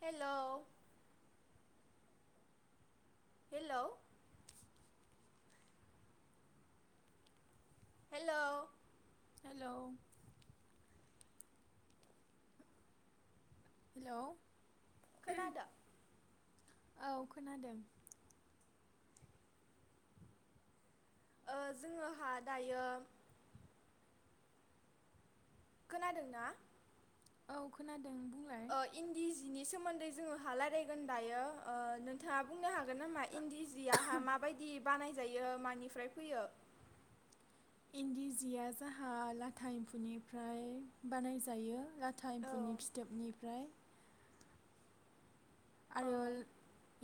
Hello hello hello hello hello खोनादो औ खोनादों ओ जोङोहा दायो खोनादोंना? औ खोनादों बुंलाय ओ इन्दि जि बिनि सोमोन्दै जोङो हा रायलायगोन दायो ओ नोंथाङा बुंनो हागोन नामा इन्दि जिआहा आ माबायदि बानायजायो मानिफ्राय फैयो? इन्दि जिया जाहा लाथा एम्फौनिफ्राय बानायजायो ला औ थााइम्फुनि फिथोबनिफ्राय औ आरो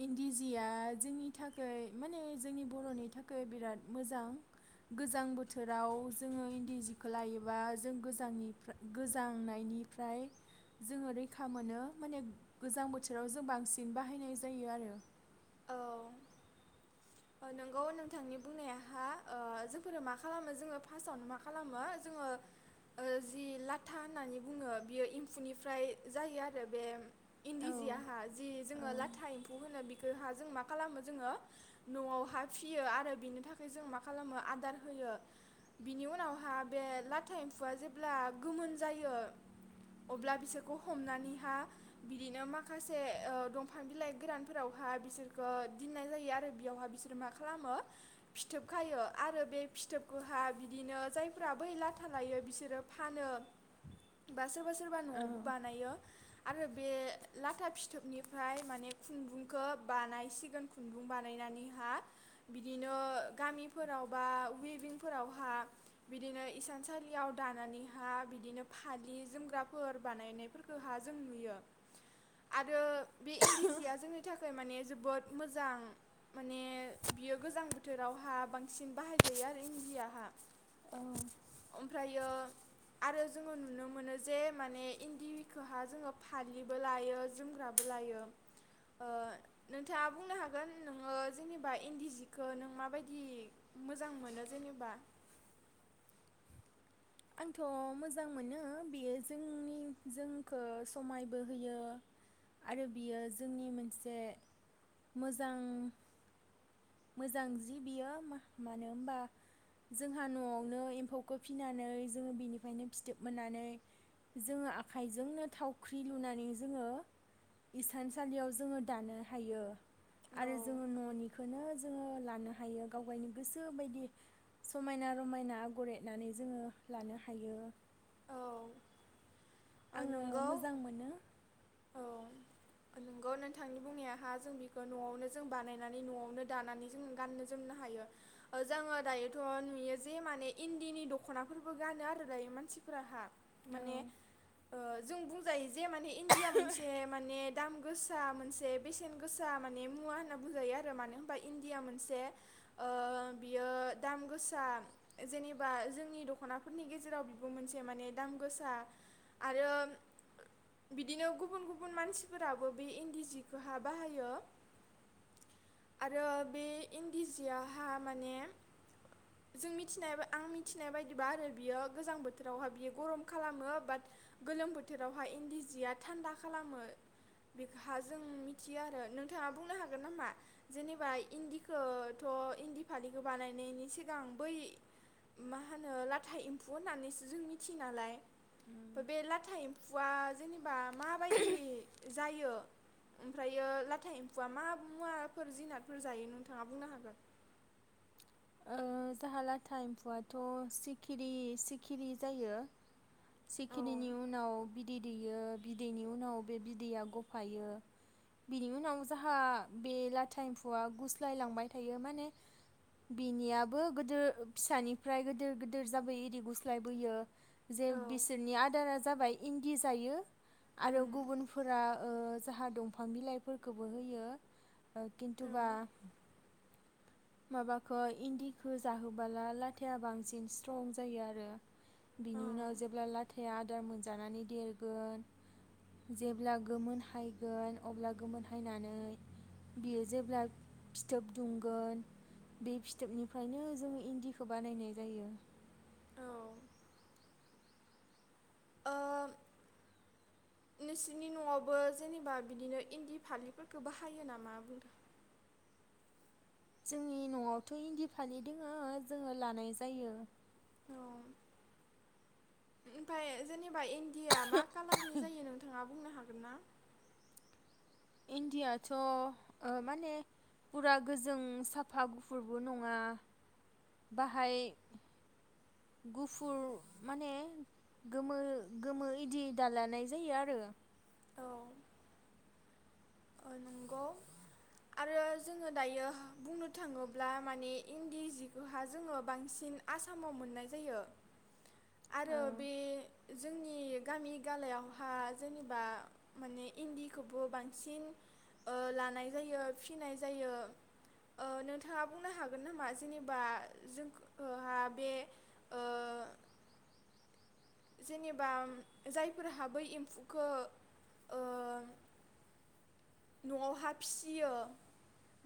इन इन्दि जिया जोंनि थाखै माने जोंनि बर'नि थाखै बिराद मोजां गोजां बोथोराव जोङो इन्दि जिखौ लायोबा जों गोजांनिफ्राय गोजांनायनिफ्राय जोङो रैखा मोनो माने गोजां बोथोराव जों जों बांसिन बाहायनाय जायो आरो। नोंगौ नोंथांनि बुंनायाहा ओ जोंफोरो मा खालामो जोङो फार्स्टआवनो मा खालामो जोङो ओ जि लाथा होननानै बुङो बियो एम्फौनिफ्राय जायो आरो बे औ इन्दि जि आंहा जि जोङो लाथा औ एम्फौ होनो बिखौ हा जों मा खालामो जोङो न'आवहा फियो आरो बिनि थाखाय जों मा खालामो आदार होयो बिनि उनावहा बे लाथा एम्फौआ जेब्ला गोमोन जायो अब्ला बिसोरखौ हमनानैहा बिदिनो माखासे ओ दंफां बिलाइ गोरानफोरावहा बिसोरखौ दोननाय जायो आरो बियावहा बिसोर मा खालामो फिथोबखायो आरो बे फिथोबखौ बिदिनो जायफोरा बै लाथा लायो बिसोरो फानो बा सोरबा सोरबा सोरबा न'आवबो बानायो आरो बे लाथा फिथोबनिफ्राय माने खुन्दुंखौ बानायसिगोन खुन्दुं बानाय बानायनानै हा बिदिनो गामिफोराव बा वेभिंफोरावहा बिदिनो इसानसालियाव दानानैहा बिदिनो फालि जोमग्राफोर बानायनायफोरखौहा जों नुयो आरो। बे इन्दि सिया जोंनि थाखाय माने जोबोद मोजां। माने बियो गोजां बोथोरावहा बांसिन बाहायजायो आरो इन्दियाहा औ ओमफ्राय ओ आरो जोङो नुनो मोनो जे माने इन्दिखौहा जोङो फालिबो लायो जोमग्राबो लायो ओ नोंथाङा बुंनो हागोन नोङो जेनेबा इन्दि सिखौ नों माबायदि मोजां मोनो जेनेबा आंथ' मोजां मोनो बियो जोंनि जोंखौ समायबो होयो आरो बियो जोंनि मोनसे मोजां मोजां जि बियो मानो होनबा जोंहा न'आवनो एम्फौखौ फिसिनानै जोङो बेनिफ्रायनो फिथोब मोननानै जोङो आखाइजोंनो थावख्रि लुनानै जोङो इसानसालियाव जोङो दानो हायो। औ आरो जोङो न'निखौनो जोङो लानो हायो गाव गायनि गोसो बायदि समायना रमायना आगर एरनानै जोङो लानो हायो औ ओ आङो नोंगौ मोजां मोनो नंगौ नोंथांनि बुंनायाहा जों बेखौ न'आवनो जों बानायनानै न'आवनो दानानै जों गाननो जोमनो हायो जोङो दायोथ' नुयो जे माने इन्दिनि दख'नाफोरबो गानो आरो दायो मानसि फोरहा माने औ ओ जों बुंजायो जे माने इन्दिया मोनसे माने दाम गोसा मोनसे बेसेन गोसा माने मुवा होनना बुंजायो आरो मानो होनबा इनदिया मोनसे ओ बियो दाम गोसा जेनेबा जोंनि दख'नाफोरनि गेजेराव बेबो मोनसे मोनसे माने दाम गोसा आरो बिदिनो गुबुन गुबुन मानसिफोराबो बे इन्दि जिखोहा बाहायो आरो बे इन्दि जिआहा माने‌ जों मिथिनाय आं मिथिनाय बादिबा आरो बेयो‌ गोजां बोथो बोथोरावहाय बियो गरम खालामो बाट गोलोम बोथोरावहाय इन्दि जिया थान्दा खालामो बेहा जों मिथियो आरो नोंथाङा बुंनो हागोन नामा जेनेबा इन्दिखौथ' इन्दि फालिखौ बानायनायनि सिगां बै मा होनो लाथा एम्फौ होननानैसो जों मिथियो नालाय उम बे लाथा एम्फु फुवा जेने होनबा माबायदि जायो ओमफ्रायो लाथा एम्फौआ मा मुवाफोर जिनादफोर जायो नोंथाङा बुंनो हागोन ओ जाहा लाथा एम्फौआथ' सिखिरि सिखिरि जायो औ सिखिरिनि उनाव बिदै दैयो बिदैनि उनाव बे बिदैया गफायो बिनि उनाव जाहा बे लाथा एम्फौआ गुस्लाय लांबाय थायो माने बिनियाबो गोदो फिसानिफ्राय गोदिर गोदिर जाबायो इरि गुस्लायबोयो जे औ बिसोरनि आदारा जाबाय इन्दि जायो आरो उम गुबुनफोरा ओ जाहा दंफां बिलाइफोरखौबो होयो औ खिनथुबा माबाखौ इन्दिखौ जाहोबोला लाथाया बांसिन स्ट्रं जायो आरो औ बिनि उनाव जेब्ला लाथाया आदार मोनजानानै देरगोन जेब्ला गोमोन हायगोन अब्ला गोमोन हायनानै बियो जेब्ला फिथोब दुंगोन बे फिथोबनिफ्रायनो जों इन्दिखौ बानायनाय जायो औ ओ नोंसोरनि न'आवबो जेनेबा बिदिनो इन्दि फालिफोरखौ बाहायो नामा बुंदों जोंनि न'आवथ' इन्दि फालि दोङो जोङो लानाय जायो औ ओमफाय जेन एबा इन्डिया मा कलारनि जायो नोंथाङा बुंनो हागोन ना इनदियाथ' ओ माने फुरा गोजों साफा गुफुरबो नङा बाहाय गुफुर माने गोमो गोमो इदि दालानाय जायो आरो ओ नंगौ आरो जोङो दायो बुंनो थाङोब्ला माने इन्दि जिखौहा जोङो बांसिन आसामाव मोननाय जायो औ आरो बे जोंनि गामि गालायावहा जेनेबा माने इन्दिखौबो बांसिन ओ लानाय जायो फिनाय जायो ओ नोंथाङा बुंनो हागोन नामा जेनेबा जोंखोहा बे ओ जेनेबा जायफोरहा बै एम्फुखो ओ न'आव हा फिसियो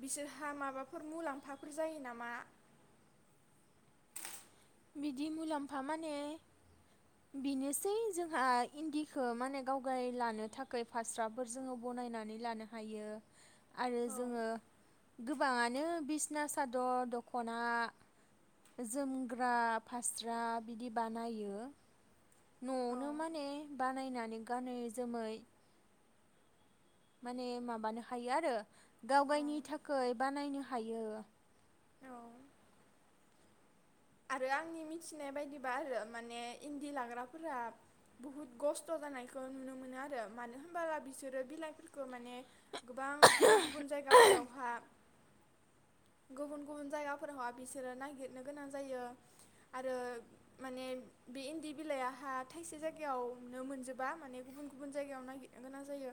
बिसोरहा माबाफोर मुलाम्फाफोर जायो नामा बिदि मुलाम्फा माने बेनोसै जोंहा इन्दिखो माने गावगाय लानो थाखाय फास्राफोर जोङो बनायनानै लानो हायो आरो औ जोङो गोबाङानो बिसना सादर दख'ना जोम जोमग्रा फास्रा बिदि बानायो औ न'आवनो माने बानायनानै गानै जोमै माने माबानो हायो आरो औ गावगायनि थाखाय बानायनो हायो। औ आरो आंनि मिथिनाय बायदिबा आरो माने इन्दि लाग्राफोरा बुहुत खस्थ' जानायखौ नुनो मोनो आरो मानो होनब्ला बिसोरो बिलाइफोरखौ माने गोबां गुबुन गुबुन जायगाफोरावहा गुबुन गुबुन जायगाफोरावहा बिसोरो नागिरनो गोनां जायो आरो माने बे इन्दि बिलाइहा थाइसे जायगायावनो मोनजोबा माने गुबुन गुबुन जायगायाव नागिरनो गोनां जायो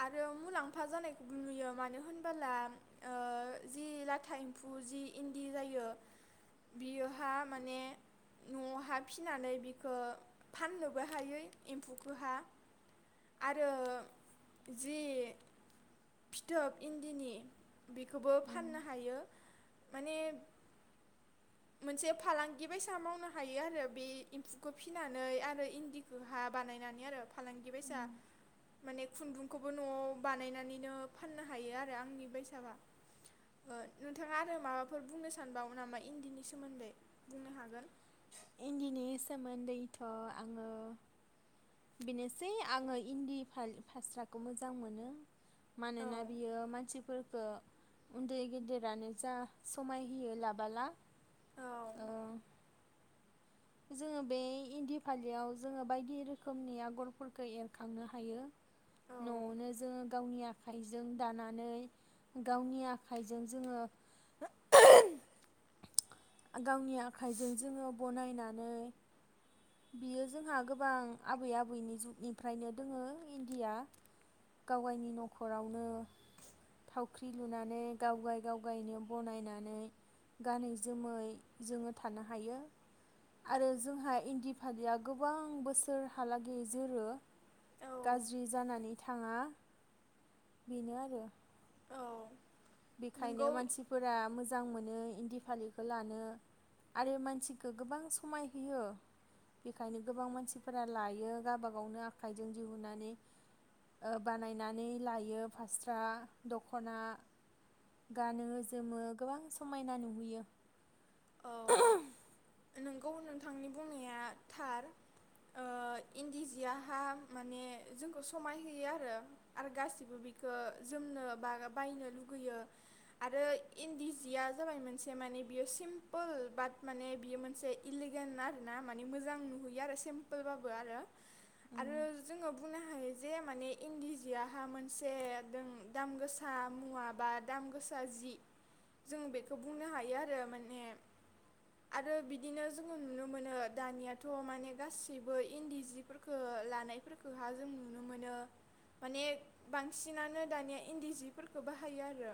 आरो मुलाम्फा जानायखौबो नुयो मानो होनबोला जि लाथा एम्फौ जि इन्दि जायो। बियोहा माने न'आवहा फिसिनानै बिखौ फाननोबो हायो एम्फौखौहा आरो जि फिथोब इन्दिनि बेखौबो फाननो हायो। माने मोनसे फालांगि बायसा मावनो हायो आरो बे एम्फुखौ फिनानै आरो इन्दिखौहा बानायनानै आरो फालांगि बायसा माने खुन्दुंखौबो न'आव बानायनानैनो फाननो हायो आरो आंनि बायसाबा नोंथाङा आरो माबाफोर बुंनो सानबावो नामा? इन्दिनि सोमोन्दै बुंनो हागोन। इन्दिनि सोमोन्दैथ' आङो बेनोसै आङो इन्दि फालि फास्राखौ मोजां मोनो। औ मानोना बियो मानसि ओ उन्दै गेदेरानो जा समाय होयो लाबाला औ ओ जोङो बे इन्दि फालियाव जोङो बायदि रोखोमनि आगरफोरखौ एरखांनो हायो न'आवनो औ जोङो गावनि आखाइजों दानानै गावनि आखाइजों जोङो गावनि आखाइजों जोङो बनायनानै बियो जोंहा गोबां आबै आबैनि जुगनिफ्रायनो दोङो इन्दिया गावगायनि न'खरावनो थावख्रि लुनानै गावगाय गावगायनो बनायनानै गानै जोमै जोङो थानो हायो आरो जोंहा इन्दि फालिया गोबां बोसोरहालागै जोरो। गाज्रि औ जानानै थाङा बेनो आरो। औ बेखायनो नोंगौ मानसिफोरा मोजां। मोजां मोनो इन्दि फालिखौ लानो आरो मानसिखो गोबां समाय होयो बेखायनो गोबां मानसिफोरा लायो गाबा गावनो आखाइजों दिहुननानै ओ बानायनानै लायो फास्रा द'खना गानो जोमो गोबां समायना नुहोयो। औ नोंंगौ नोंथांनि बुंनाया थार ओ इन्दि जियाहा माने जोंखौ समाय होयो आरो आरो गासिबो बिखौ जोमनो बा बायनो लुगैयो आरो इन्दि जिया जाबाय मोनसे माने बियो सिम सिमपोल बाट माने बियो मोनसे इलिगेन आरो ना माने मोजां नुहैयो आरो सिम्पोलबाबो आरो उम आरो जोङो बुंनो हायो जे माने इन्दि जियाहा मोनसे दों दाम गोसा मुवा बा दाम गोसा जि जों बेखौ बुंनो हायो आरो माने आरो बिदिनो जोङो नुनो मोनो दानियाथ' माने गासैबो इन्दि जिफोरखौ लानायफोरफोरखौहा जों नुनो मोनो माने बांसिनानो दानिया इन्दि जिफोरखौ बाहायो आरो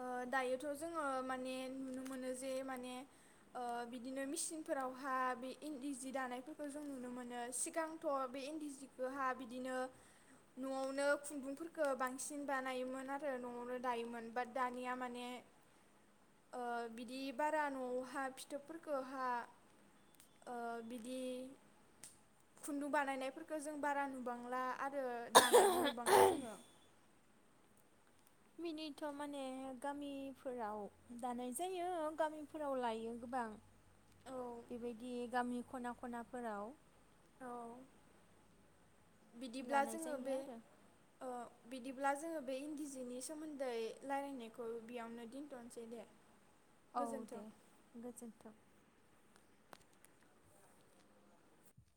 ओ दायोथ' जोङो माने नुनो नुनो मोनो जे माने ओ बिदिनो मेचिनफोरावहा बे इन्दि जि दानायफोरखौ जों नुनो मोनो सिगांथ' बे इन्दि सिखौहा बिदिनो न'आवनो खुन्दुंफोरखो बांसिन बानायोमोन आरो न'आवनो दायोमोन बाट दानिया माने ओ बिदि बारा न'आवहा फिथोबफोरखौहाय बिदि खुन्दुं बानायनायफोरखौ जों बारा नुबांला आरो दानायबो नुबांला जोङो। बिनिथ' माने गामिफोराव दानाय जायो गामिफोराव लायो गोबां औ बेबायदि गामि खना खनाफोराव औ बिदिब्ला लानाय जोङो जायो बे आरो ओ बिदिब्ला जोङो बे इन्दि जिनि सोमोन्दै रायलायनायखौ बेयावनो दोनथ'नोसै दे। औ गोजोन्थों दे गोजोन्थों।